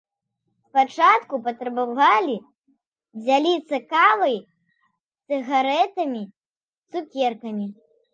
Спачатку патрабавалі дзяліцца кавай, цыгарэтамі, цукеркамі.